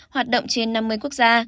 hoạt động trên năm mươi quốc gia